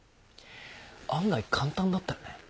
案外簡単だったよね。